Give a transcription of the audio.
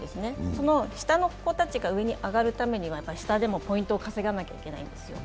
その下の子たちが上に上がるために下でもポイントを稼がないといけないんですよ。